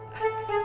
burp yang hijau